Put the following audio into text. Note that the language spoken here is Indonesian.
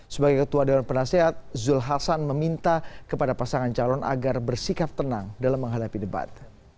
sebagai ketua dewan penasehat zulkifli hasan meminta kepada pasangan calon agar bersikap tenang dalam menghadapi debat